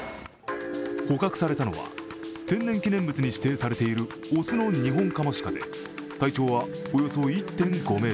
捕獲されたのは天然記念物に指定されている雄のニホンカモシカで体長はおよそ１．５ｍ。